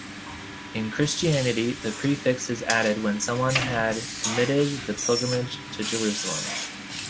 In Christianity, the prefix is added when someone had committed the pilgrimage to Jerusalem.